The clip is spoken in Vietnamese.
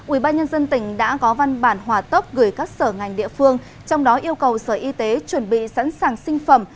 ubnd tỉnh đã có văn bản hòa tốc gửi các sở ngành địa phương trong đó yêu cầu sở y tế chuẩn bị sẵn sàng sinh phẩm